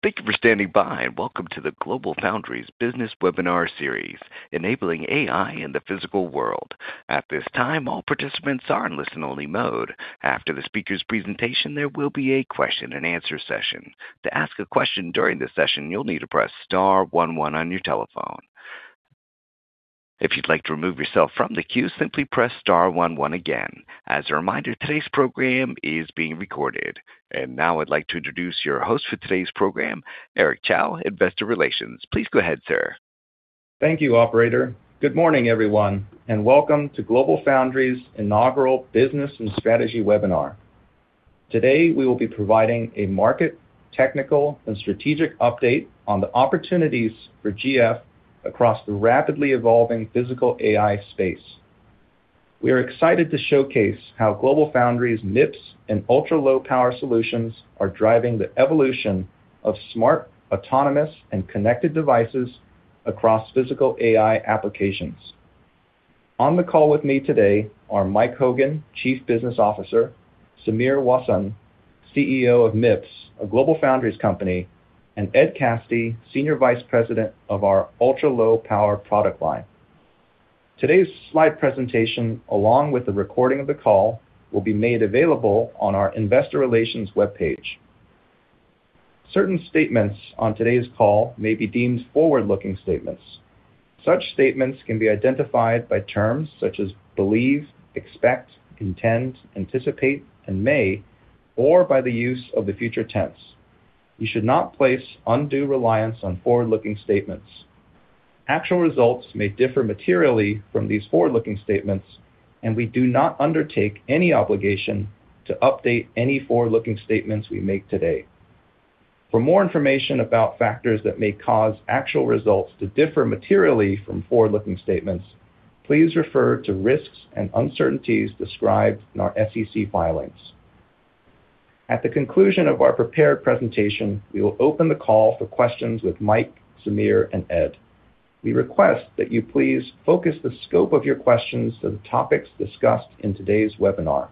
Thank you for standing by, and welcome to the GlobalFoundries Business Webinar Series, Enabling AI in the Physical World. At this time, all participants are in listen-only mode. After the speaker's presentation, there will be a question-and-answer session. To ask a question during the session, you'll need to press star one one on your telephone. If you'd like to remove yourself from the queue, simply press star one one again. As a reminder, today's program is being recorded, and now I'd like to introduce your host for today's program, Eric Chow, Investor Relations. Please go ahead, sir. Thank you, Operator. Good morning, everyone, and welcome to GlobalFoundries' Inaugural Business and Strategy Webinar. Today, we will be providing a market, technical, and strategic update on the opportunities for GF across the rapidly evolving physical AI space. We are excited to showcase how GlobalFoundries' MIPS and ultra-low-power solutions are driving the evolution of smart, autonomous, and connected devices across physical AI applications. On the call with me today are Mike Hogan, Chief Business Officer; Sameer Wasson, CEO of MIPS, a GlobalFoundries company; and Ed Kaste, Senior Vice President of our ultra-low-power product line. Today's slide presentation, along with the recording of the call, will be made available on our Investor Relations webpage. Certain statements on today's call may be deemed forward-looking statements. Such statements can be identified by terms such as believe, expect, intend, anticipate, and may, or by the use of the future tense. You should not place undue reliance on forward-looking statements. Actual results may differ materially from these forward-looking statements, and we do not undertake any obligation to update any forward-looking statements we make today. For more information about factors that may cause actual results to differ materially from forward-looking statements, please refer to risks and uncertainties described in our SEC filings. At the conclusion of our prepared presentation, we will open the call for questions with Mike, Sameer, and Ed. We request that you please focus the scope of your questions to the topics discussed in today's webinar.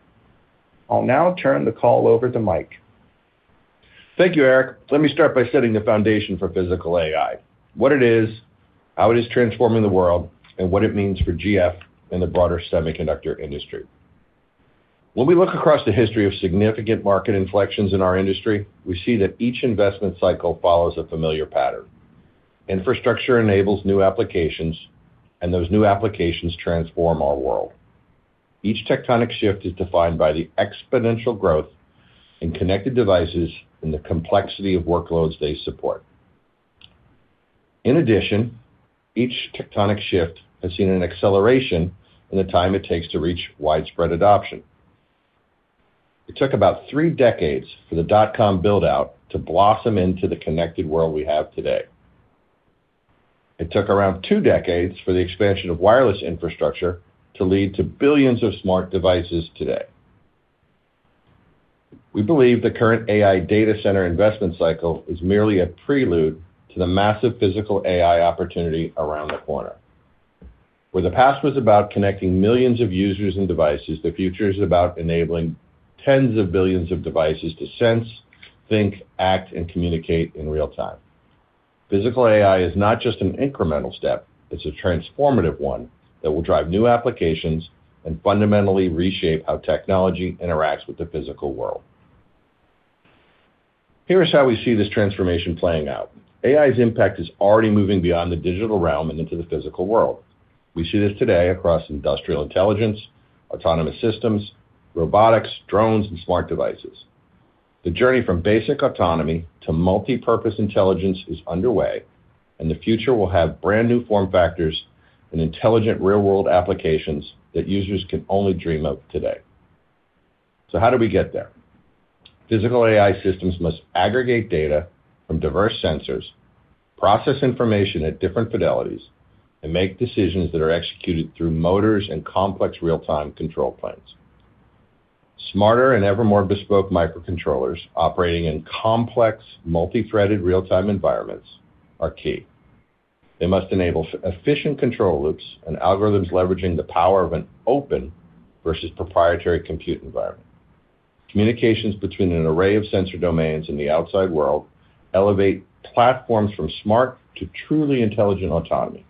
I'll now turn the call over to Mike. Thank you, Eric. Let me start by setting the foundation for physical AI: what it is, how it is transforming the world, and what it means for GF and the broader semiconductor industry. When we look across the history of significant market inflections in our industry, we see that each investment cycle follows a familiar pattern. Infrastructure enables new applications, and those new applications transform our world. Each tectonic shift is defined by the exponential growth in connected devices and the complexity of workloads they support. In addition, each tectonic shift has seen an acceleration in the time it takes to reach widespread adoption. It took about three decades for the dot-com build-out to blossom into the connected world we have today. It took around two decades for the expansion of wireless infrastructure to lead to billions of smart devices today. We believe the current AI data center investment cycle is merely a prelude to the massive physical AI opportunity around the corner. Where the past was about connecting millions of users and devices, the future is about enabling tens of billions of devices to sense, think, act, and communicate in real time. Physical AI is not just an incremental step, it's a transformative one that will drive new applications and fundamentally reshape how technology interacts with the physical world. Here is how we see this transformation playing out. AI's impact is already moving beyond the digital realm and into the physical world. We see this today across industrial intelligence, autonomous systems, robotics, drones, and smart devices. The journey from basic autonomy to multipurpose intelligence is underway, and the future will have brand-new form factors and intelligent real-world applications that users can only dream of today. So how do we get there? Physical AI systems must aggregate data from diverse sensors, process information at different fidelities, and make decisions that are executed through motors and complex real-time control planes. Smarter and ever more bespoke microcontrollers operating in complex, multi-threaded real-time environments are key. They must enable efficient control loops and algorithms leveraging the power of an open versus proprietary compute environment. Communications between an array of sensor domains in the outside world elevate platforms from smart to truly intelligent autonomy,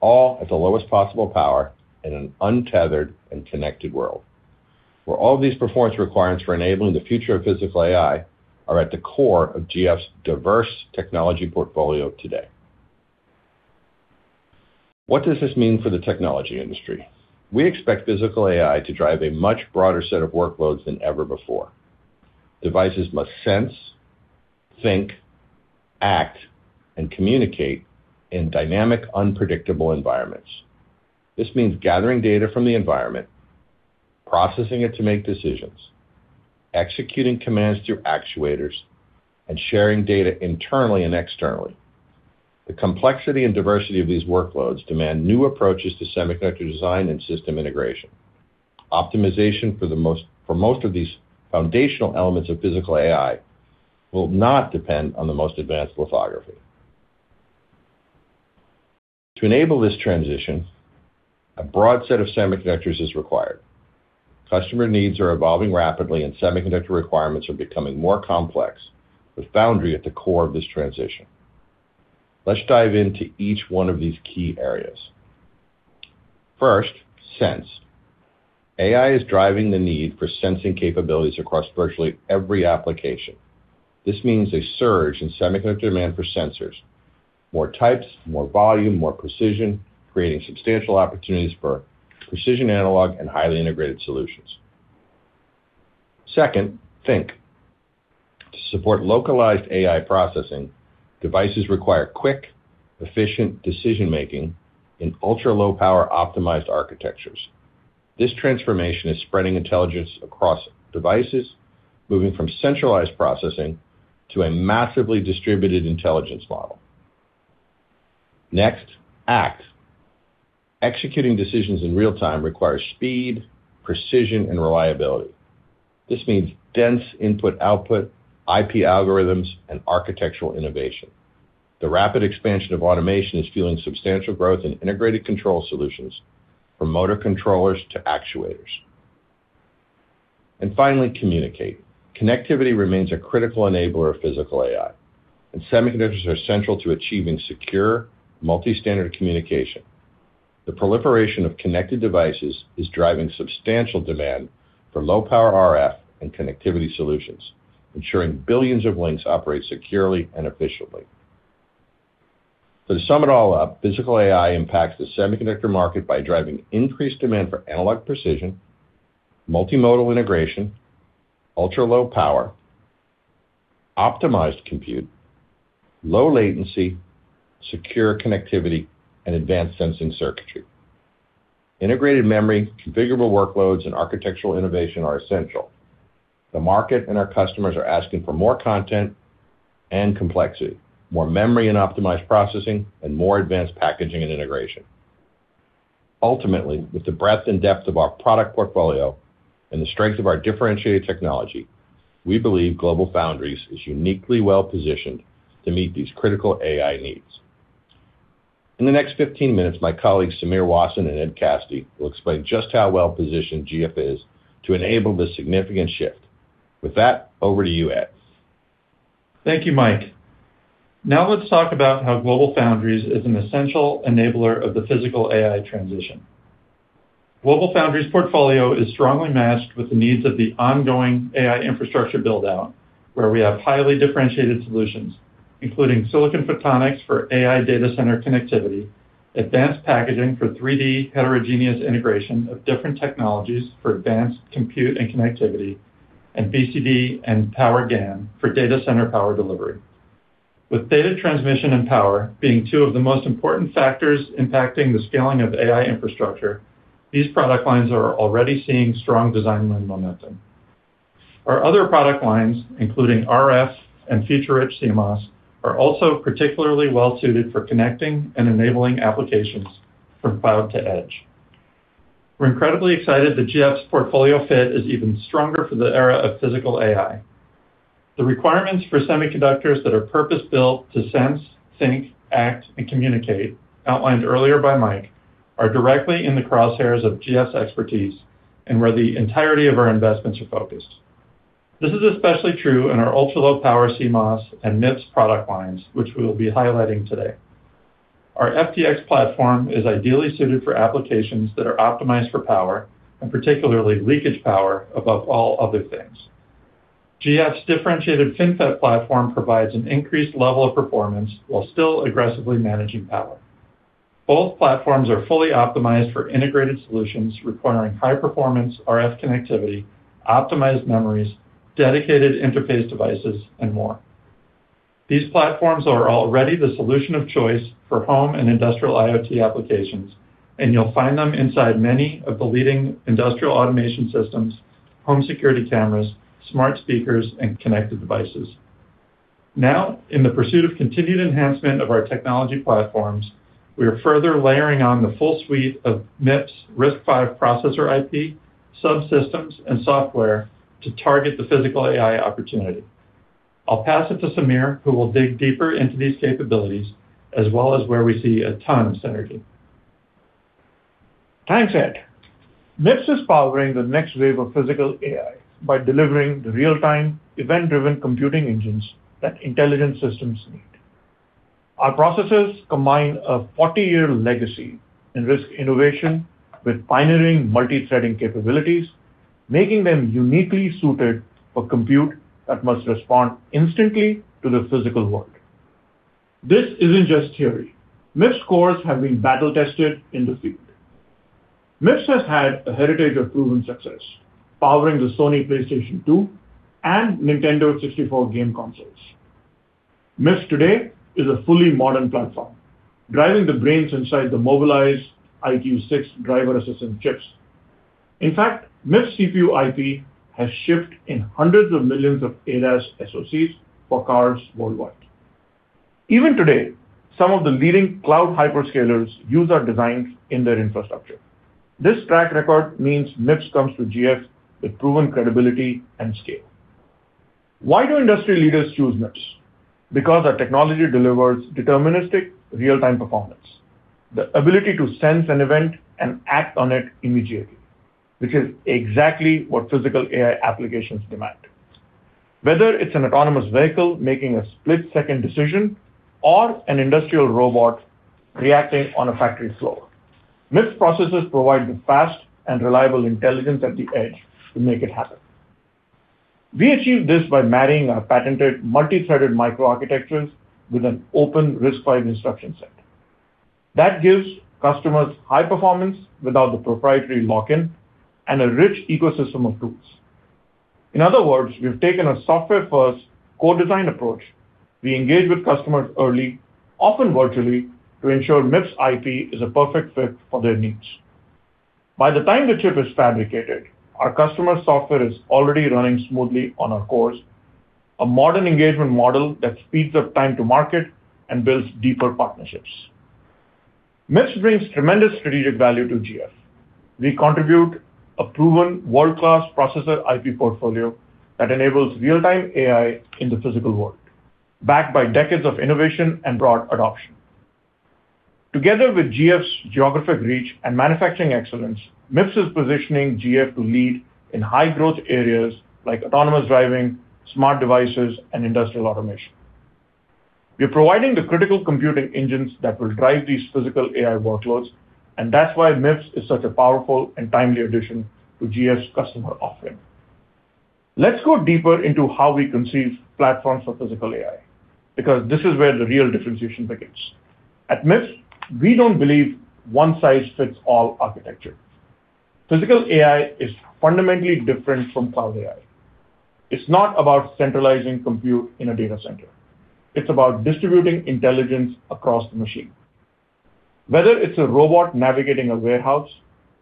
all at the lowest possible power in an untethered and connected world. Where all of these performance requirements for enabling the future of physical AI are at the core of GF's diverse technology portfolio today. What does this mean for the technology industry? We expect physical AI to drive a much broader set of workloads than ever before. Devices must sense, think, act, and communicate in dynamic, unpredictable environments. This means gathering data from the environment, processing it to make decisions, executing commands through actuators, and sharing data internally and externally. The complexity and diversity of these workloads demand new approaches to semiconductor design and system integration. Optimization for most of these foundational elements of physical AI will not depend on the most advanced lithography. To enable this transition, a broad set of semiconductors is required. Customer needs are evolving rapidly, and semiconductor requirements are becoming more complex, with foundry at the core of this transition. Let's dive into each one of these key areas. First, sense. AI is driving the need for sensing capabilities across virtually every application. This means a surge in semiconductor demand for sensors: more types, more volume, more precision, creating substantial opportunities for precision analog and highly integrated solutions. Second, think. To support localized AI processing, devices require quick, efficient decision-making in ultra-low-power optimized architectures. This transformation is spreading intelligence across devices, moving from centralized processing to a massively distributed intelligence model. Next, act. Executing decisions in real time requires speed, precision, and reliability. This means dense input-output, IP algorithms, and architectural innovation. The rapid expansion of automation is fueling substantial growth in integrated control solutions, from motor controllers to actuators, and finally, communicate. Connectivity remains a critical enabler of physical AI, and semiconductors are central to achieving secure, multi-standard communication. The proliferation of connected devices is driving substantial demand for low-power RF and connectivity solutions, ensuring billions of links operate securely and efficiently. To sum it all up, physical AI impacts the semiconductor market by driving increased demand for analog precision, multimodal integration, ultra-low power, optimized compute, low latency, secure connectivity, and advanced sensing circuitry. Integrated memory, configurable workloads, and architectural innovation are essential. The market and our customers are asking for more content and complexity, more memory and optimized processing, and more advanced packaging and integration. Ultimately, with the breadth and depth of our product portfolio and the strength of our differentiated technology, we believe GlobalFoundries is uniquely well-positioned to meet these critical AI needs. In the next 15 minutes, my colleagues Sameer Wasson and Ed Kaste will explain just how well-positioned GF is to enable this significant shift. With that, over to you, Ed. Thank you, Mike. Now let's talk about how GlobalFoundries is an essential enabler of the physical AI transition. GlobalFoundries' portfolio is strongly matched with the needs of the ongoing AI infrastructure build-out, where we have highly differentiated solutions, including silicon photonics for AI data center connectivity, advanced packaging for 3D heterogeneous integration of different technologies for advanced compute and connectivity, and BCD and Power GaN for data center power delivery. With data transmission and power being two of the most important factors impacting the scaling of AI infrastructure, these product lines are already seeing strong design line momentum. Our other product lines, including RF and feature-rich CMOS, are also particularly well-suited for connecting and enabling applications from cloud to edge. We're incredibly excited the GF's portfolio fit is even stronger for the era of physical AI. The requirements for semiconductors that are purpose-built to sense, think, act, and communicate, outlined earlier by Mike, are directly in the crosshairs of GF's expertise and where the entirety of our investments are focused. This is especially true in our ultra-low-power CMOS and MIPS product lines, which we will be highlighting today. Our FDX platform is ideally suited for applications that are optimized for power, and particularly leakage power, above all other things. GF's differentiated FinFET platform provides an increased level of performance while still aggressively managing power. Both platforms are fully optimized for integrated solutions requiring high-performance RF connectivity, optimized memories, dedicated interface devices, and more. These platforms are already the solution of choice for home and industrial IoT applications, and you'll find them inside many of the leading industrial automation systems, home security cameras, smart speakers, and connected devices. Now, in the pursuit of continued enhancement of our technology platforms, we are further layering on the full suite of MIPS RISC-V processor IP, subsystems, and software to target the physical AI opportunity. I'll pass it to Sameer, who will dig deeper into these capabilities, as well as where we see a ton of synergy. Thanks, Ed. MIPS is powering the next wave of physical AI by delivering the real-time, event-driven computing engines that intelligent systems need. Our processors combine a 40-year legacy in risk innovation with pioneering multi-threading capabilities, making them uniquely suited for compute that must respond instantly to the physical world. This isn't just theory. MIPS cores have been battle-tested in the field. MIPS has had a heritage of proven success, powering the Sony PlayStation 2 and Nintendo 64 game consoles. MIPS today is a fully modern platform, driving the brains inside the Mobileye's EyeQ6 driver assistant chips. In fact, MIPS CPU IP has shipped in hundreds of millions of ADAS SoCs for cars worldwide. Even today, some of the leading cloud hyperscalers use our designs in their infrastructure. This track record means MIPS comes to GF with proven credibility and scale. Why do industry leaders choose MIPS? Because our technology delivers deterministic real-time performance, the ability to sense an event and act on it immediately, which is exactly what physical AI applications demand. Whether it's an autonomous vehicle making a split-second decision or an industrial robot reacting on a factory floor, MIPS processors provide the fast and reliable intelligence at the edge to make it happen. We achieve this by marrying our patented multi-threaded microarchitectures with an open RISC-V instruction set. That gives customers high performance without the proprietary lock-in and a rich ecosystem of tools. In other words, we've taken a software-first core design approach. We engage with customers early, often virtually, to ensure MIPS IP is a perfect fit for their needs. By the time the chip is fabricated, our customer's software is already running smoothly on our cores, a modern engagement model that speeds up time to market and builds deeper partnerships. MIPS brings tremendous strategic value to GF. We contribute a proven world-class processor IP portfolio that enables real-time AI in the physical world, backed by decades of innovation and broad adoption. Together with GF's geographic reach and manufacturing excellence, MIPS is positioning GF to lead in high-growth areas like autonomous driving, smart devices, and industrial automation. We're providing the critical computing engines that will drive these physical AI workloads, and that's why MIPS is such a powerful and timely addition to GF's customer offering. Let's go deeper into how we conceive platforms for physical AI, because this is where the real differentiation begins. At MIPS, we don't believe one-size-fits-all architecture. Physical AI is fundamentally different from cloud AI. It's not about centralizing compute in a data center. It's about distributing intelligence across the machine. Whether it's a robot navigating a warehouse,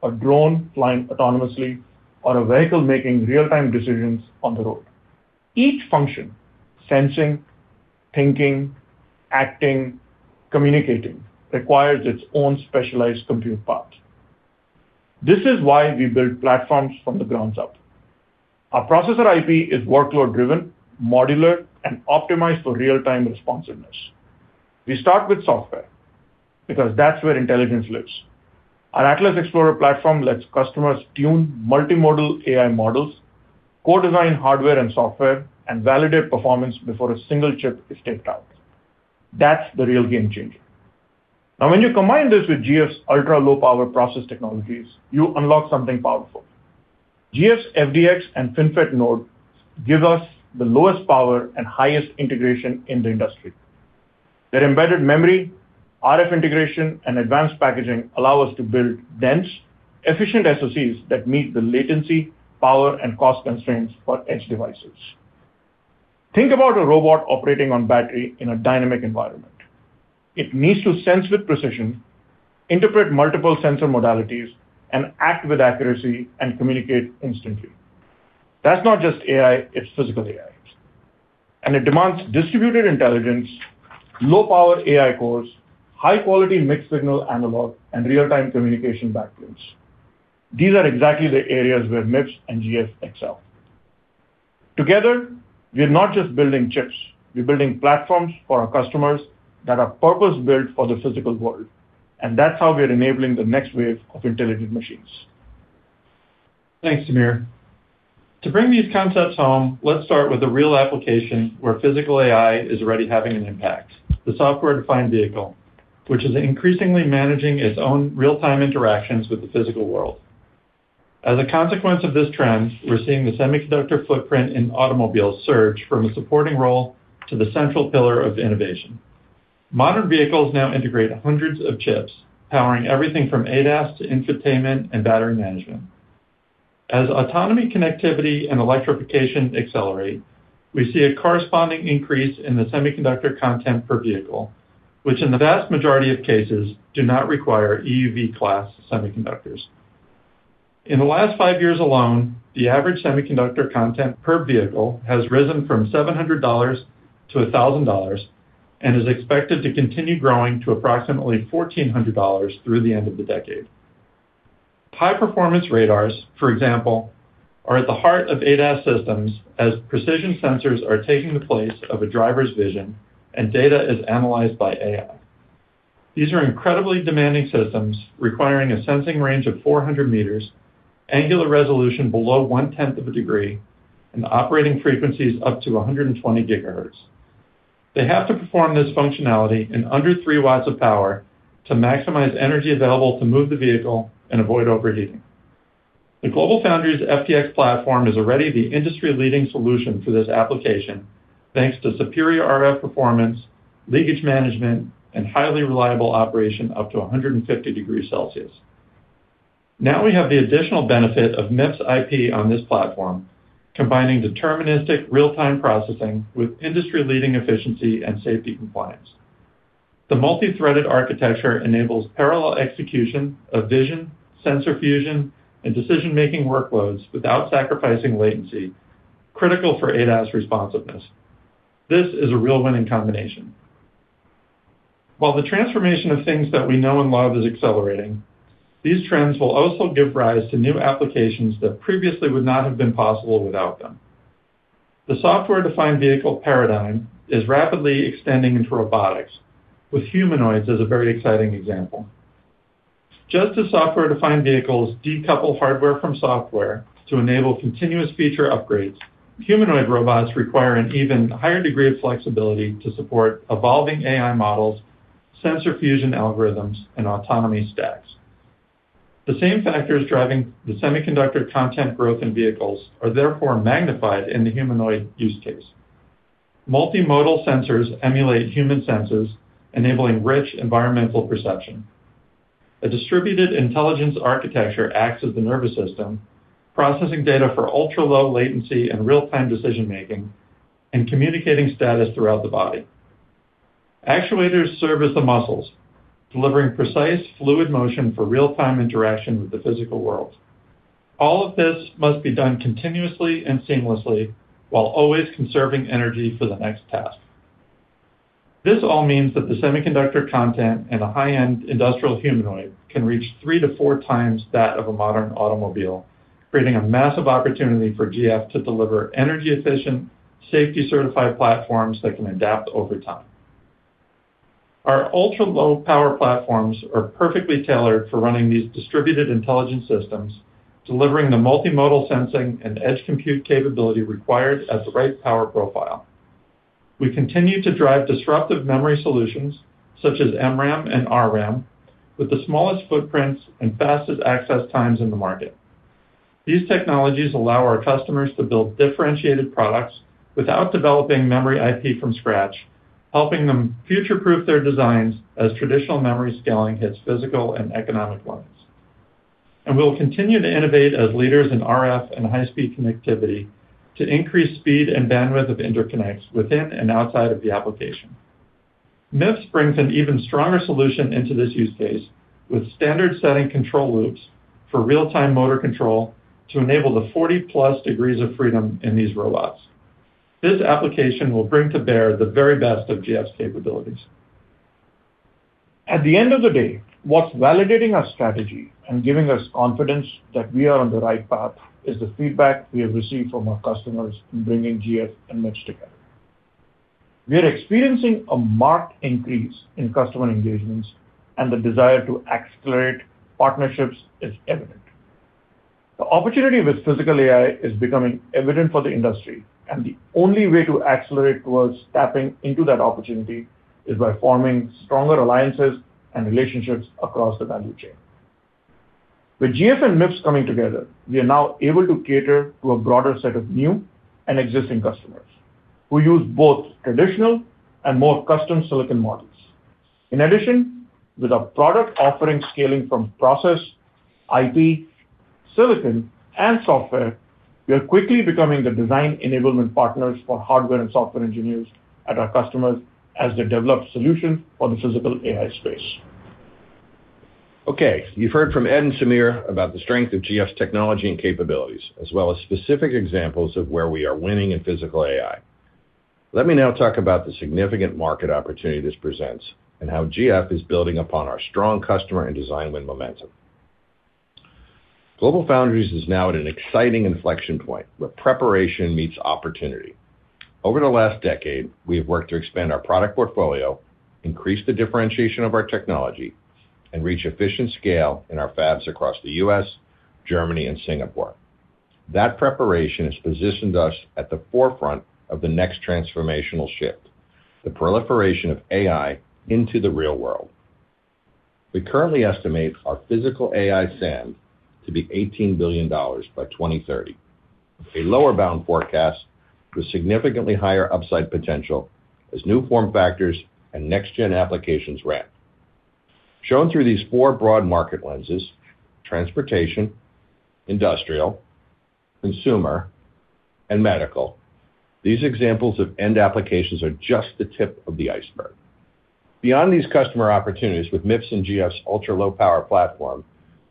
a drone flying autonomously, or a vehicle making real-time decisions on the road, each function, sensing, thinking, acting, communicating, requires its own specialized compute part. This is why we build platforms from the grounds up. Our processor IP is workload-driven, modular, and optimized for real-time responsiveness. We start with software, because that's where intelligence lives. Our Atlas Explorer platform lets customers tune multimodal AI models, co-design hardware and software, and validate performance before a single chip is taped out. That's the real game changer. Now, when you combine this with GF's ultra-low-power process technologies, you unlock something powerful. GF's FDX and FinFET node give us the lowest power and highest integration in the industry. Their embedded memory, RF integration, and advanced packaging allow us to build dense, efficient SoCs that meet the latency, power, and cost constraints for edge devices. Think about a robot operating on battery in a dynamic environment. It needs to sense with precision, interpret multiple sensor modalities, and act with accuracy and communicate instantly. That's not just AI. It's physical AI, and it demands distributed intelligence, low-power AI cores, high-quality mixed-signal analog, and real-time communication backlinks. These are exactly the areas where MIPS and GF excel. Together, we're not just building chips. We're building platforms for our customers that are purpose-built for the physical world, and that's how we're enabling the next wave of intelligent machines. Thanks, Sameer. To bring these concepts home, let's start with a real application where physical AI is already having an impact: the software-defined vehicle, which is increasingly managing its own real-time interactions with the physical world. As a consequence of this trend, we're seeing the semiconductor footprint in automobiles surge from a supporting role to the central pillar of innovation. Modern vehicles now integrate hundreds of chips, powering everything from ADAS to infotainment and battery management. As autonomy, connectivity, and electrification accelerate, we see a corresponding increase in the semiconductor content per vehicle, which, in the vast majority of cases, do not require EUV-class semiconductors. In the last five years alone, the average semiconductor content per vehicle has risen from $700-$1,000 and is expected to continue growing to approximately $1,400 through the end of the decade. High-performance radars, for example, are at the heart of ADAS systems as precision sensors are taking the place of a driver's vision, and data is analyzed by AI. These are incredibly demanding systems requiring a sensing range of 400 meters, angular resolution below 1/10 of a degree, and operating frequencies up to 120 gigahertz. They have to perform this functionality in under three watts of power to maximize energy available to move the vehicle and avoid overheating. The GlobalFoundries FDX platform is already the industry-leading solution for this application, thanks to superior RF performance, leakage management, and highly reliable operation up to 150 degrees Celsius. Now we have the additional benefit of MIPS IP on this platform, combining deterministic real-time processing with industry-leading efficiency and safety compliance. The multi-threaded architecture enables parallel execution of vision, sensor fusion, and decision-making workloads without sacrificing latency, critical for ADAS responsiveness. This is a real winning combination. While the transformation of things that we know and love is accelerating, these trends will also give rise to new applications that previously would not have been possible without them. The software-defined vehicle paradigm is rapidly extending into robotics, with humanoids as a very exciting example. Just as software-defined vehicles decouple hardware from software to enable continuous feature upgrades, humanoid robots require an even higher degree of flexibility to support evolving AI models, sensor fusion algorithms, and autonomy stacks. The same factors driving the semiconductor content growth in vehicles are therefore magnified in the humanoid use case. Multimodal sensors emulate human senses, enabling rich environmental perception. A distributed intelligence architecture acts as the nervous system, processing data for ultra-low latency and real-time decision-making, and communicating status throughout the body. Actuators serve as the muscles, delivering precise fluid motion for real-time interaction with the physical world. All of this must be done continuously and seamlessly while always conserving energy for the next task. This all means that the semiconductor content in a high-end industrial humanoid can reach three to four times that of a modern automobile, creating a massive opportunity for GF to deliver energy-efficient, safety-certified platforms that can adapt over time. Our ultra-low-power platforms are perfectly tailored for running these distributed intelligence systems, delivering the multimodal sensing and edge compute capability required at the right power profile. We continue to drive disruptive memory solutions, such as MRAM and RRAM, with the smallest footprints and fastest access times in the market. These technologies allow our customers to build differentiated products without developing memory IP from scratch, helping them future-proof their designs as traditional memory scaling hits physical and economic limits. We'll continue to innovate as leaders in RF and high-speed connectivity to increase speed and bandwidth of interconnects within and outside of the application. MIPS brings an even stronger solution into this use case, with standard-setting control loops for real-time motor control to enable the 40-plus degrees of freedom in these robots. This application will bring to bear the very best of GF's capabilities. At the end of the day, what's validating our strategy and giving us confidence that we are on the right path is the feedback we have received from our customers in bringing GF and MIPS together. We are experiencing a marked increase in customer engagements, and the desire to accelerate partnerships is evident. The opportunity with physical AI is becoming evident for the industry, and the only way to accelerate towards tapping into that opportunity is by forming stronger alliances and relationships across the value chain. With GF and MIPS coming together, we are now able to cater to a broader set of new and existing customers who use both traditional and more custom silicon models. In addition, with our product offering scaling from process, IP, silicon, and software, we are quickly becoming the design enablement partners for hardware and software engineers at our customers as they develop solutions for the physical AI space. Okay. You've heard from Ed and Sameer about the strength of GF's technology and capabilities, as well as specific examples of where we are winning in physical AI. Let me now talk about the significant market opportunity this presents and how GF is building upon our strong customer and design win momentum. GlobalFoundries is now at an exciting inflection point where preparation meets opportunity. Over the last decade, we've worked to expand our product portfolio, increase the differentiation of our technology, and reach efficient scale in our fabs across the U.S., Germany, and Singapore. That preparation has positioned us at the forefront of the next transformational shift, the proliferation of AI into the real world. We currently estimate our physical AI SAM to be $18 billion by 2030, a lower-bound forecast with significantly higher upside potential as new form factors and next-gen applications ramp. Shown through these four broad market lenses: transportation, industrial, consumer, and medical, these examples of end applications are just the tip of the iceberg. Beyond these customer opportunities, with MIPS and GF's ultra-low-power platform,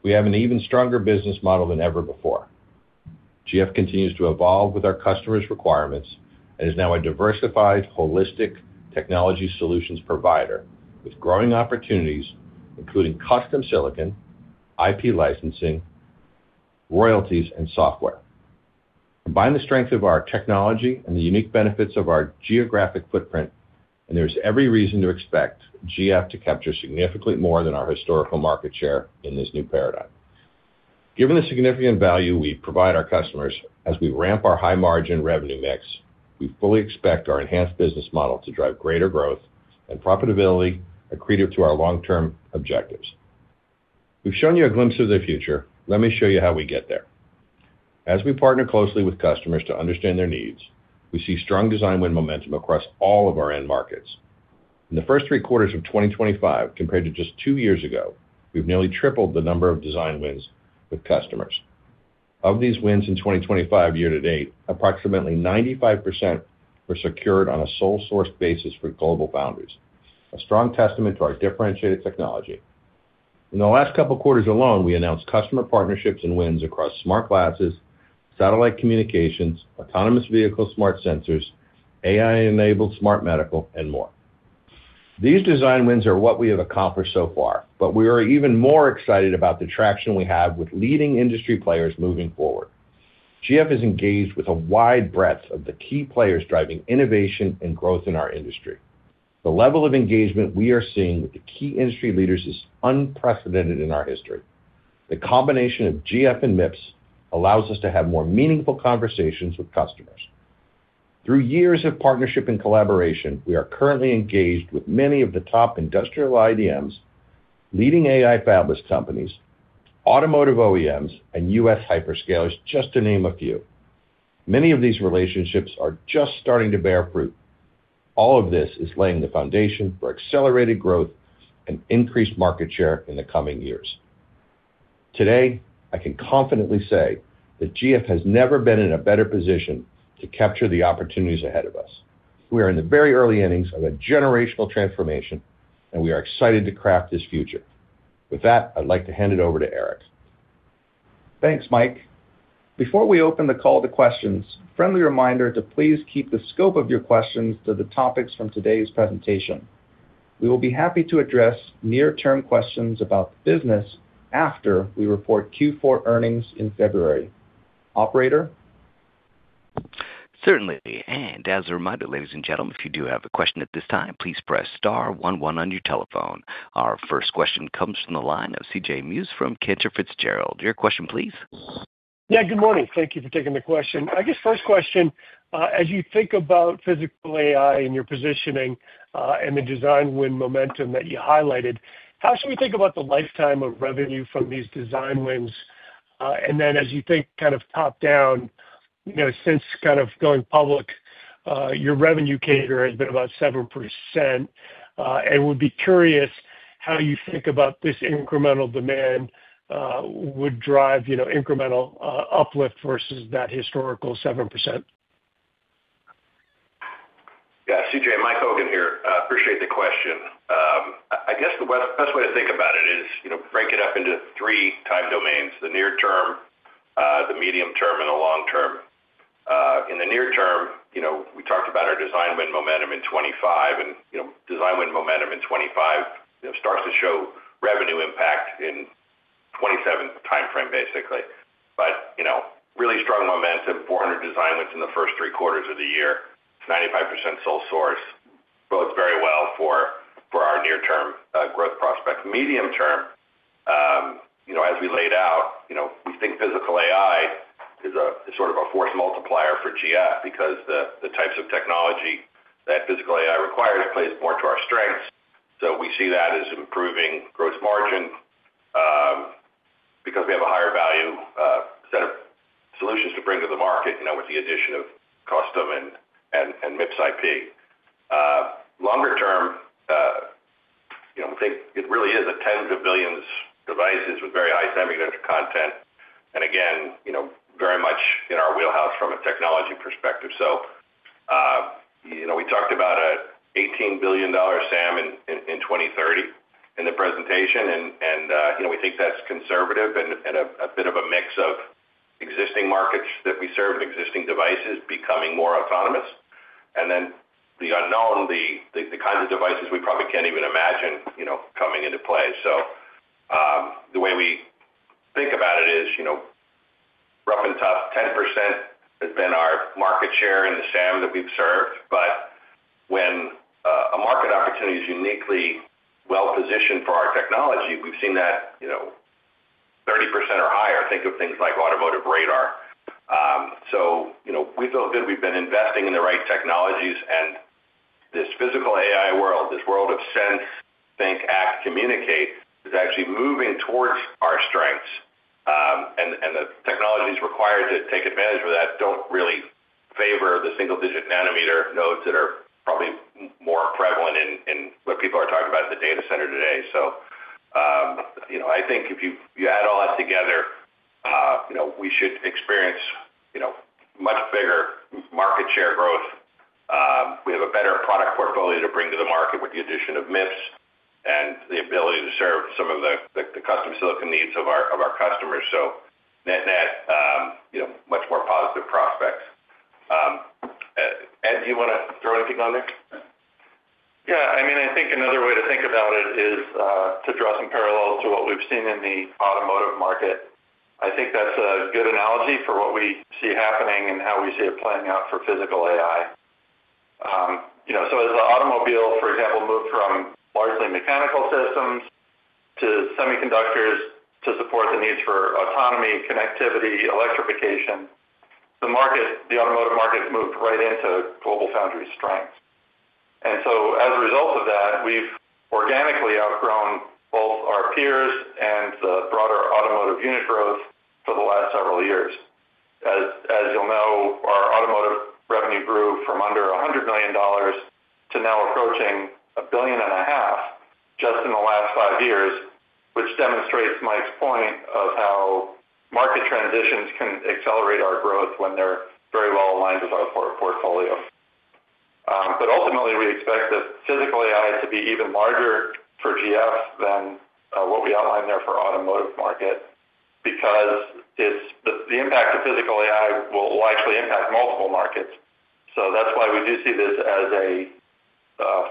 we have an even stronger business model than ever before. GF continues to evolve with our customers' requirements and is now a diversified, holistic technology solutions provider with growing opportunities, including custom silicon, IP licensing, royalties, and software. Combine the strength of our technology and the unique benefits of our geographic footprint, and there is every reason to expect GF to capture significantly more than our historical market share in this new paradigm. Given the significant value we provide our customers as we ramp our high-margin revenue mix, we fully expect our enhanced business model to drive greater growth and profitability accretive to our long-term objectives. We've shown you a glimpse of the future. Let me show you how we get there. As we partner closely with customers to understand their needs, we see strong design win momentum across all of our end markets. In the first three quarters of 2025, compared to just two years ago, we've nearly tripled the number of design wins with customers. Of these wins in 2025 year to date, approximately 95% were secured on a sole-sourced basis for GlobalFoundries, a strong testament to our differentiated technology. In the last couple of quarters alone, we announced customer partnerships and wins across smart glasses, satellite communications, autonomous vehicle smart sensors, AI-enabled smart medical, and more. These design wins are what we have accomplished so far, but we are even more excited about the traction we have with leading industry players moving forward. GF is engaged with a wide breadth of the key players driving innovation and growth in our industry. The level of engagement we are seeing with the key industry leaders is unprecedented in our history. The combination of GF and MIPS allows us to have more meaningful conversations with customers. Through years of partnership and collaboration, we are currently engaged with many of the top industrial IDMs, leading AI fabless companies, automotive OEMs, and U.S. hyperscalers, just to name a few. Many of these relationships are just starting to bear fruit. All of this is laying the foundation for accelerated growth and increased market share in the coming years. Today, I can confidently say that GF has never been in a better position to capture the opportunities ahead of us. We are in the very early innings of a generational transformation, and we are excited to craft this future. With that, I'd like to hand it over to Eric. Thanks, Mike. Before we open the call to questions, a friendly reminder to please keep the scope of your questions to the topics from today's presentation. We will be happy to address near-term questions about the business after we report Q4 earnings in February. Operator? Certainly. And as a reminder, ladies and gentlemen, if you do have a question at this time, please press star one one on your telephone. Our first question comes from the line of CJ Muse from Cantor Fitzgerald. Your question, please. Yeah, good morning. Thank you for taking the question. I guess first question, as you think about physical AI and your positioning and the design win momentum that you highlighted, how should we think about the lifetime of revenue from these design wins? And then as you think kind of top down, since kind of going public, your revenue CAGR has been about 7%. And we'd be curious how you think about this incremental demand would drive incremental uplift versus that historical 7%. Yeah, CJ, Mike Hogan here. Appreciate the question. I guess the best way to think about it is break it up into three time domains: the near term, the medium term, and the long term. In the near term, we talked about our design win momentum in 2025, and design win momentum in 2025 starts to show revenue impact in 2027 timeframe, basically. But really strong momentum, 400 design wins in the first three quarters of the year. It's 95% sole source. It bodes very well for our near-term growth prospects. Medium term, as we laid out, we think physical AI is sort of a force multiplier for GF because the types of technology that physical AI requires plays more to our strengths. We see that as improving gross margin because we have a higher value set of solutions to bring to the market with the addition of custom and MIPS IP. Longer term, we think it really is a tens of billions of devices with very high semiconductor content, and again, very much in our wheelhouse from a technology perspective. We talked about an $18 billion SAM in 2030 in the presentation, and we think that's conservative and a bit of a mix of existing markets that we serve and existing devices becoming more autonomous. Then the unknown, the kinds of devices we probably can't even imagine coming into play. The way we think about it is rough and top, 10% has been our market share in the SAM that we've served. But when a market opportunity is uniquely well-positioned for our technology, we've seen that 30% or higher. Think of things like automotive radar. So we feel good we've been investing in the right technologies, and this physical AI world, this world of sense, think, act, communicate, is actually moving towards our strengths. And the technologies required to take advantage of that don't really favor the single-digit nanometer nodes that are probably more prevalent in what people are talking about in the data center today. So I think if you add all that together, we should experience much bigger market share growth. We have a better product portfolio to bring to the market with the addition of MIPS and the ability to serve some of the custom silicon needs of our customers. So net-net, much more positive prospects. Ed, do you want to throw anything on there? Yeah. I mean, I think another way to think about it is to draw some parallels to what we've seen in the automotive market. I think that's a good analogy for what we see happening and how we see it playing out for physical AI, so as the automobile, for example, moved from largely mechanical systems to semiconductors to support the needs for autonomy, connectivity, electrification, the market, the automotive market moved right into GlobalFoundries' strength, and so as a result of that, we've organically outgrown both our peers and the broader automotive unit growth for the last several years. As you'll know, our automotive revenue grew from under $100 million to now approaching $1.5 billion just in the last five years, which demonstrates Mike's point of how market transitions can accelerate our growth when they're very well aligned with our portfolio. But ultimately, we expect the physical AI to be even larger for GF than what we outlined there for the automotive market because the impact of physical AI will actually impact multiple markets. So that's why we do see this as a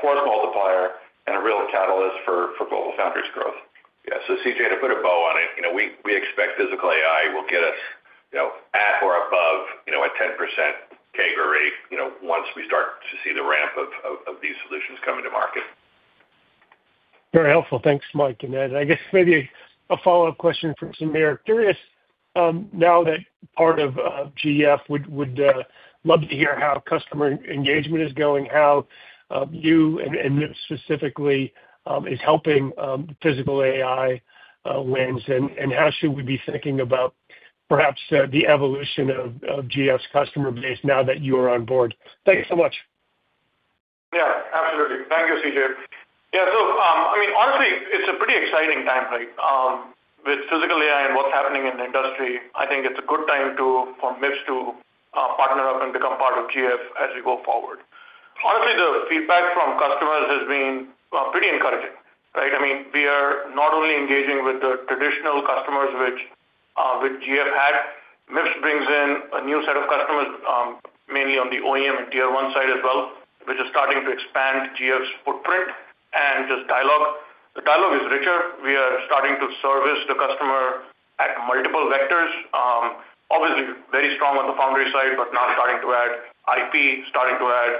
force multiplier and a real catalyst for GlobalFoundries' growth. Yeah, so CJ, to put a bow on it, we expect physical AI will get us at or above a 10% CAGR rate once we start to see the ramp of these solutions coming to market. Very helpful. Thanks, Mike. I guess maybe a follow-up question for Sameer. Curious, now that part of GF would love to hear how customer engagement is going, how you and MIPS specifically are helping physical AI wins, and how should we be thinking about perhaps the evolution of GF's customer base now that you are on board? Thanks so much. Yeah, absolutely. Thank you, CJ. Yeah. So I mean, honestly, it's a pretty exciting time right now with physical AI and what's happening in the industry. I think it's a good time for MIPS to partner up and become part of GF as we go forward. Honestly, the feedback from customers has been pretty encouraging, right? I mean, we are not only engaging with the traditional customers, which GF had. MIPS brings in a new set of customers, mainly on the OEM and tier one side as well, which is starting to expand GF's footprint and just dialogue. The dialogue is richer. We are starting to service the customer at multiple vectors. Obviously, very strong on the foundry side, but now starting to add IP, starting to add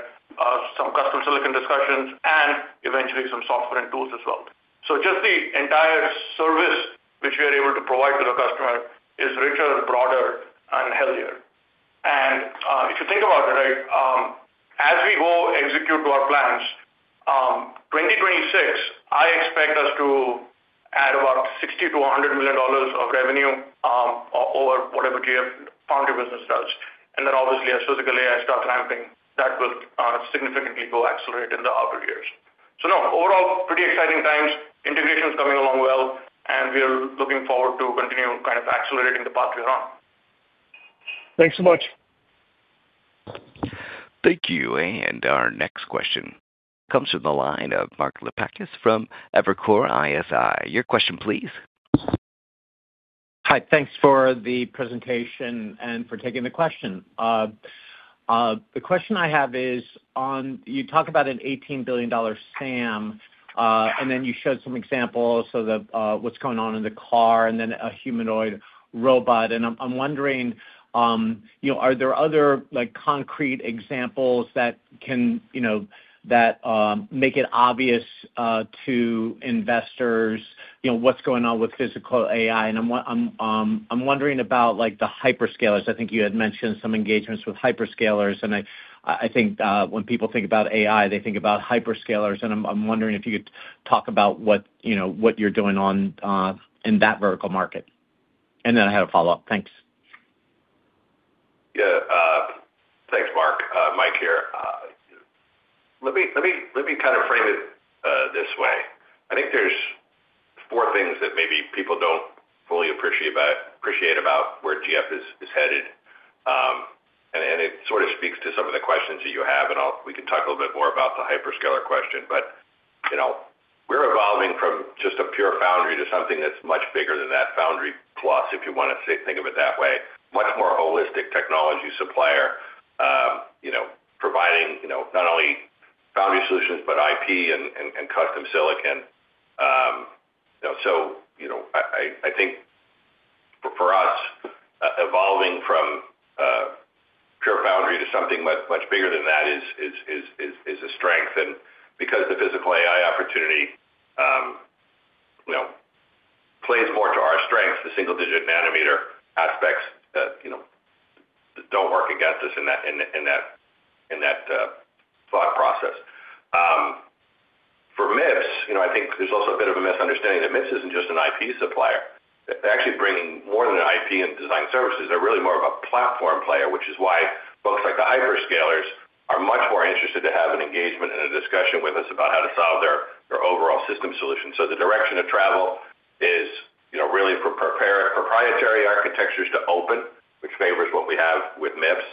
some custom silicon discussions, and eventually some software and tools as well. So just the entire service which we are able to provide to the customer is richer, broader, and healthier. And if you think about it, right, as we go execute to our plans, 2026, I expect us to add about $60 million-$100 million of revenue over whatever GF foundry business does. And then obviously, as physical AI starts ramping, that will significantly go accelerate in the outer years. So no, overall, pretty exciting times. Integration is coming along well, and we are looking forward to continue kind of accelerating the path we are on. Thanks so much. Thank you. And our next question comes from the line of Mark Lipacis from Evercore ISI. Your question, please. Hi. Thanks for the presentation and for taking the question. The question I have is, you talk about an $18 billion SAM, and then you showed some examples of what's going on in the car and then a humanoid robot. And I'm wondering, are there other concrete examples that make it obvious to investors what's going on with physical AI? And I'm wondering about the hyperscalers. I think you had mentioned some engagements with hyperscalers, and I think when people think about AI, they think about hyperscalers. And I'm wondering if you could talk about what you're doing in that vertical market. And then I had a follow-up. Thanks. Yeah. Thanks, Mark. Mike here. Let me kind of frame it this way. I think there's four things that maybe people don't fully appreciate about where GF is headed. And it sort of speaks to some of the questions that you have, and we can talk a little bit more about the hyperscaler question. But we're evolving from just a pure foundry to something that's much bigger than that foundry plus, if you want to think of it that way. Much more holistic technology supplier providing not only foundry solutions, but IP and custom silicon. So I think for us, evolving from pure foundry to something much bigger than that is a strength. And because the physical AI opportunity plays more to our strength, the single-digit nanometer aspects don't work against us in that thought process. For MIPS, I think there's also a bit of a misunderstanding that MIPS isn't just an IP supplier. They're actually bringing more than an IP and design services. They're really more of a platform player, which is why folks like the hyperscalers are much more interested to have an engagement and a discussion with us about how to solve their overall system solution. So the direction of travel is really from proprietary architectures to open, which favors what we have with MIPS,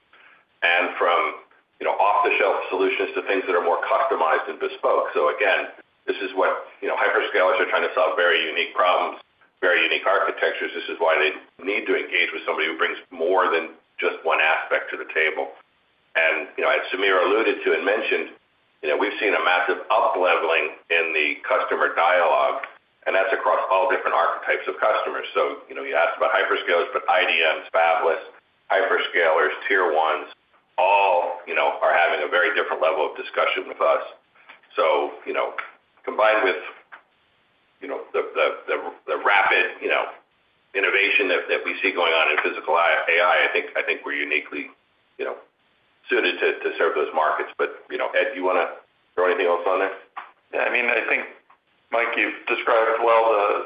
and from off-the-shelf solutions to things that are more customized and bespoke. So again, this is what hyperscalers are trying to solve: very unique problems, very unique architectures. This is why they need to engage with somebody who brings more than just one aspect to the table. And as Sameer alluded to and mentioned, we've seen a massive upleveling in the customer dialogue, and that's across all different archetypes of customers. So you asked about hyperscalers, but IDMs, fabless, hyperscalers, tier ones, all are having a very different level of discussion with us. So combined with the rapid innovation that we see going on in physical AI, I think we're uniquely suited to serve those markets. But Ed, do you want to throw anything else on there? Yeah. I mean, Mike, you've described well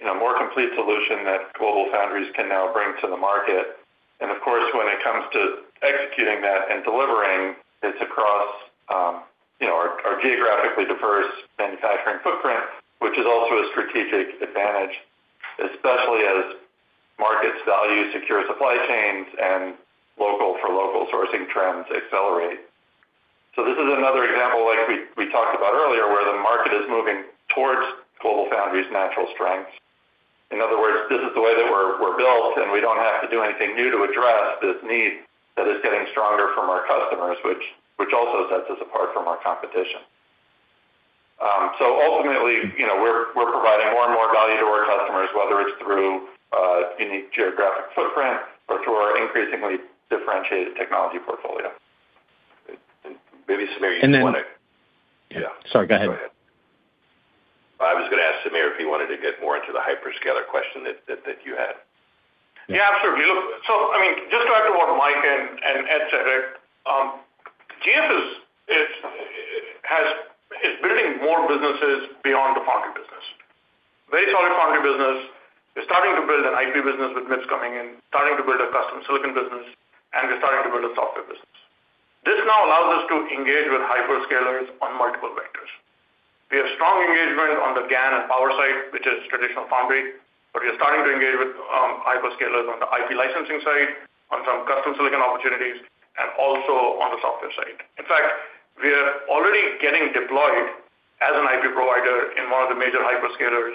the more complete solution that GlobalFoundries can now bring to the market, and of course, when it comes to executing that and delivering, it's across our geographically diverse manufacturing footprint, which is also a strategic advantage, especially as markets value secure supply chains and local-for-local sourcing trends accelerate, so this is another example, like we talked about earlier, where the market is moving towards GlobalFoundries' natural strengths. In other words, this is the way that we're built, and we don't have to do anything new to address this need that is getting stronger from our customers, which also sets us apart from our competition, so ultimately, we're providing more and more value to our customers, whether it's through a unique geographic footprint or through our increasingly differentiated technology portfolio. Maybe Sameer, you want to. Yeah. Sorry, go ahead. I was going to ask Sameer if he wanted to get more into the hyperscaler question that you had. Yeah, absolutely. So I mean, just to add to what Mike and Ed said, GF is building more businesses beyond the foundry business. Very solid foundry business. We're starting to build an IP business with MIPS coming in, starting to build a custom silicon business, and we're starting to build a software business. This now allows us to engage with hyperscalers on multiple vectors. We have strong engagement on the GaN and power side, which is traditional foundry, but we are starting to engage with hyperscalers on the IP licensing side, on some custom silicon opportunities, and also on the software side. In fact, we are already getting deployed as an IP provider in one of the major hyperscalers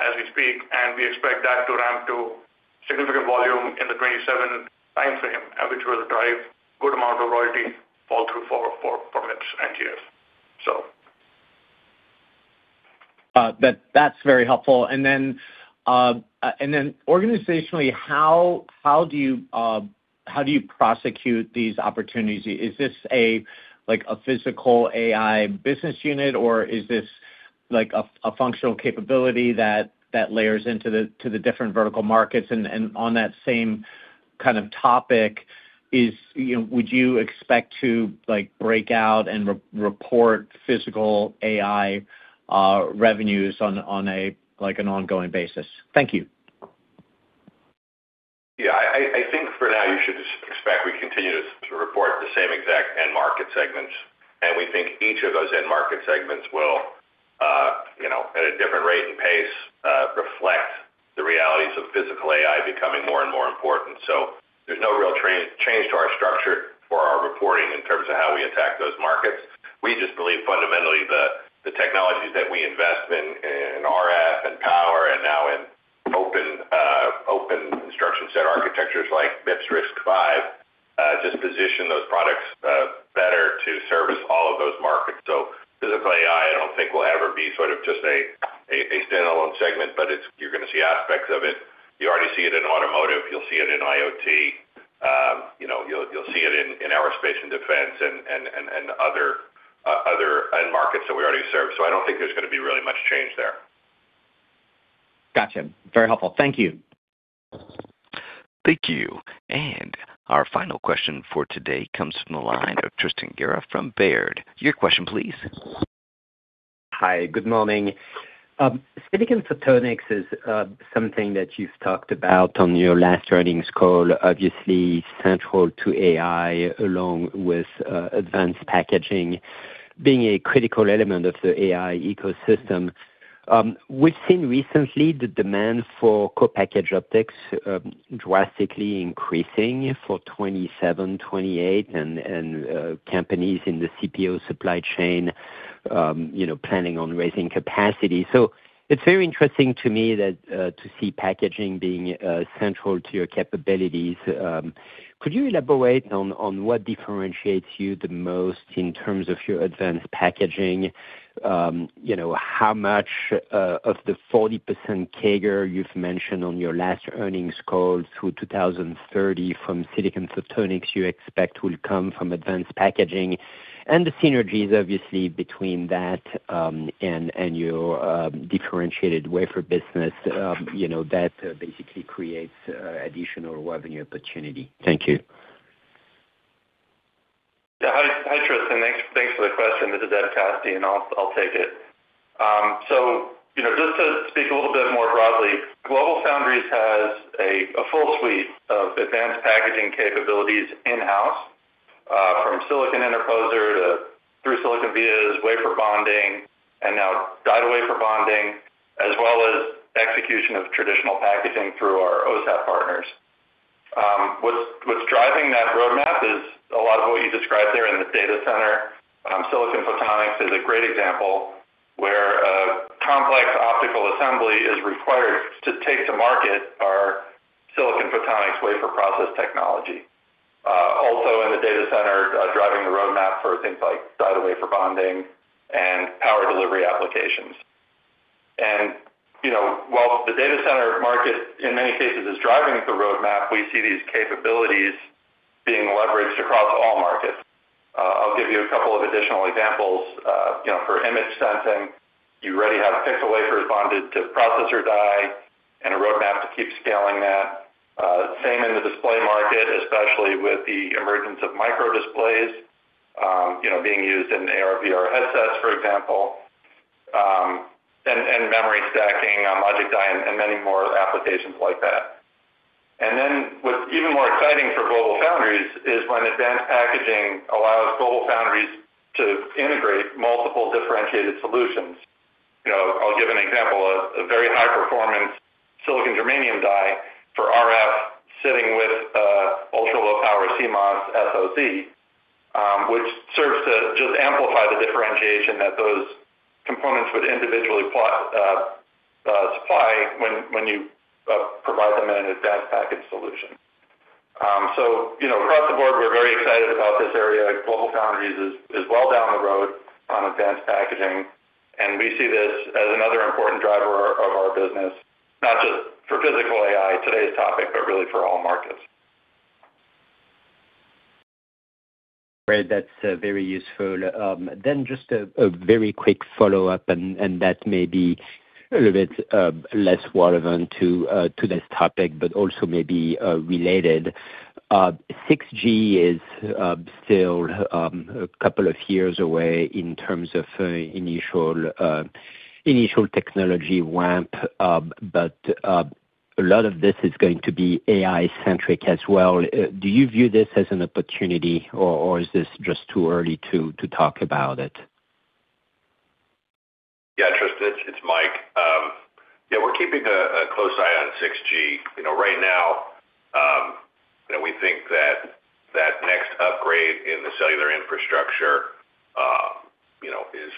as we speak, and we expect that to ramp to significant volume in the 2027 timeframe, which will drive a good amount of royalty fall-through for MIPS and GF, so. That's very helpful. And then organizationally, how do you prosecute these opportunities? Is this a physical AI business unit, or is this a functional capability that layers into the different vertical markets? And on that same kind of topic, would you expect to break out and report physical AI revenues on an ongoing basis? Thank you. Yeah. I think for now, you should expect we continue to report the same exact end market segments. And we think each of those end market segments will, at a different rate and pace, reflect the realities of physical AI becoming more and more important. So there's no real change to our structure for our reporting in terms of how we attack those markets. We just believe fundamentally the technologies that we invest in RF and power and now in open instruction set architectures like MIPS RISC-V just position those products better to service all of those markets. So physical AI, I don't think will ever be sort of just a standalone segment, but you're going to see aspects of it. You already see it in automotive. You'll see it in IoT. You'll see it in aerospace and defense and other end markets that we already serve. So I don't think there's going to be really much change there. Gotcha. Very helpful. Thank you. Thank you. And our final question for today comes from the line of Tristan Gerra from Baird. Your question, please. Hi. Good morning. Silicon Photonics is something that you've talked about on your last earnings call, obviously central to AI along with Advanced Packaging being a critical element of the AI ecosystem. We've seen recently the demand for co-package optics drastically increasing for 2027, 2028, and companies in the CPO supply chain planning on raising capacity. So it's very interesting to me to see packaging being central to your capabilities. Could you elaborate on what differentiates you the most in terms of your Advanced Packaging? How much of the 40% CAGR you've mentioned on your last earnings call through 2030 from Silicon Photonics you expect will come from Advanced Packaging, and the synergies, obviously, between that and your differentiated wafer business that basically creates additional revenue opportunity. Thank you. Yeah. Hi, Tristan. Thanks for the question. This is Ed Kaste, and I'll take it. So just to speak a little bit more broadly, GlobalFoundries has a full suite of advanced packaging capabilities in-house, from silicon interposer to through silicon vias, wafer bonding, and now die wafer bonding, as well as execution of traditional packaging through our OSAT partners. What's driving that roadmap is a lot of what you described there in the data center. Silicon photonics is a great example where a complex optical assembly is required to take to market our silicon photonics wafer process technology. Also, in the data center, driving the roadmap for things like die wafer bonding and power delivery applications. And while the data center market, in many cases, is driving the roadmap, we see these capabilities being leveraged across all markets. I'll give you a couple of additional examples. For image sensing, you already have pixel wafers bonded to processor die and a roadmap to keep scaling that. Same in the display market, especially with the emergence of micro displays being used in AR/VR headsets, for example, and memory stacking on logic die, and many more applications like that, and then what's even more exciting for GlobalFoundries is when advanced packaging allows GlobalFoundries to integrate multiple differentiated solutions. I'll give an example of a very high-performance silicon germanium die for RF sitting with ultra-low-power CMOS SoC, which serves to just amplify the differentiation that those components would individually supply when you provide them in an advanced package solution, so across the board, we're very excited about this area. GlobalFoundries is well down the road on advanced packaging, and we see this as another important driver of our business, not just for physical AI, today's topic, but really for all markets. Great. That's very useful. Then just a very quick follow-up, and that may be a little bit less relevant to this topic, but also maybe related. 6G is still a couple of years away in terms of initial technology ramp, but a lot of this is going to be AI-centric as well. Do you view this as an opportunity, or is this just too early to talk about it? Yeah, Tristan, it's Mike. Yeah, we're keeping a close eye on 6G. Right now, we think that that next upgrade in the cellular infrastructure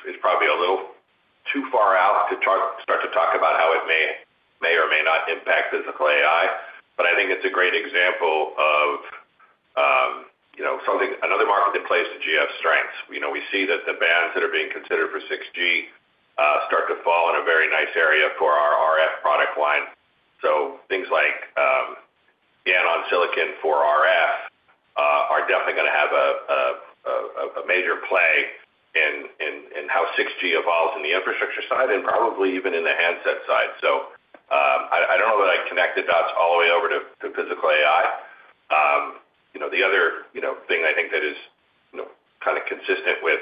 is probably a little too far out to start to talk about how it may or may not impact physical AI. But I think it's a great example of another market that plays to GF's strengths. We see that the bands that are being considered for 6G start to fall in a very nice area for our RF product line. So things like GaN on silicon for RF are definitely going to have a major play in how 6G evolves in the infrastructure side and probably even in the handset side. So I don't know that I connected dots all the way over to physical AI. The other thing I think that is kind of consistent with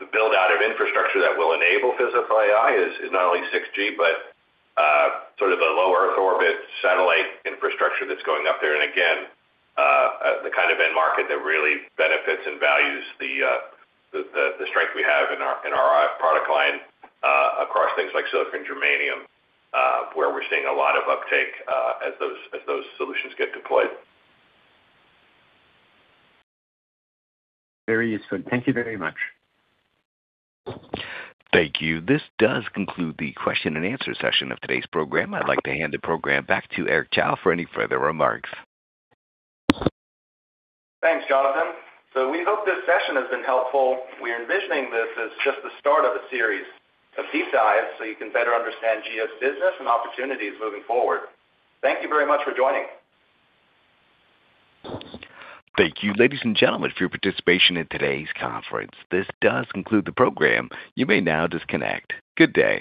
the build-out of infrastructure that will enable physical AI is not only 6G, but sort of a low Earth orbit satellite infrastructure that's going up there, and again, the kind of end market that really benefits and values the strength we have in our product line across things like silicon germanium, where we're seeing a lot of uptake as those solutions get deployed. Very useful. Thank you very much. Thank you. This does conclude the question and answer session of today's program. I'd like to hand the program back to Eric Chow for any further remarks. Thanks, Jonathan. So we hope this session has been helpful. We're envisioning this as just the start of a series of deep dives so you can better understand GF's business and opportunities moving forward. Thank you very much for joining. Thank you, ladies and gentlemen, for your participation in today's conference. This does conclude the program. You may now disconnect. Good day.